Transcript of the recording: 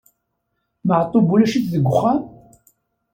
Maɛṭub ulac-it deg uxxam?